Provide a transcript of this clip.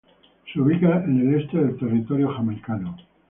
Se ubica en el este del territorio jamaicano.